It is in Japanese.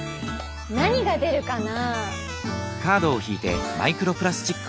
何が出るかな？